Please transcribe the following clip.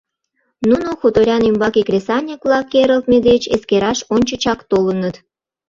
Нуно хуторян ӱмбаке кресаньык-влак керылтме деч эскераш ончычак толыныт.